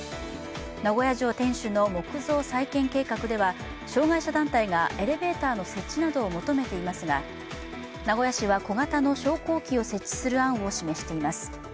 名古屋城天守閣の木造復元計画では障害者団体がエレベーターの設置などを求めていますが名古屋市は小型の昇降機を設置する案を示しています。